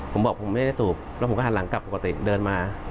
ผมบอกผมไม่ได้สูบแล้วผมก็หันหลังกลับปกติเดินมา